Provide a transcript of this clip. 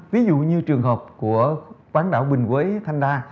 ví dụ như trường hợp của bán đảo bình quế thanh đa